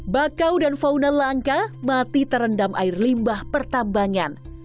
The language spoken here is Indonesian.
bakau dan fauna langka mati terendam air limbah pertambangan